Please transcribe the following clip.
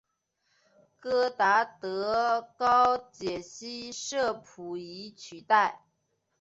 戈达德高解析摄谱仪取代。